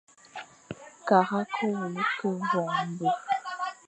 Kara ke wule ke voñbe.